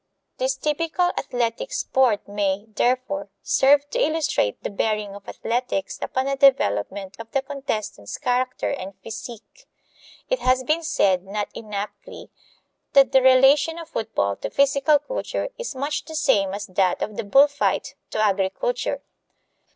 This typical athletic sport may, therefore, serve to illustrate the bearing of athletics upon the development of the contestant's character and physique. It has been said, not inaptly, that the relation of football to physical culture is much the same as that of the bull fight to agriculture.